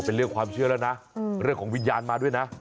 เป็นเรื่องความเชื่อแล้วนะเรื่องของวิญญาณมาด้วยนะ